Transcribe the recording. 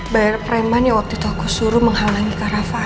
bayar pre offer money waktu aku suruh menghalangi kaya soakak